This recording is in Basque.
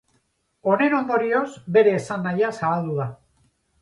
Honen ondorioz bere esan nahia zabaldu da.